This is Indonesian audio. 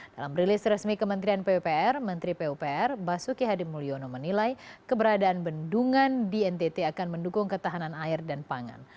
dalam rilis resmi kementerian pupr menteri pupr basuki hadimulyono menilai keberadaan bendungan di ntt akan mendukung ketahanan air dan pangan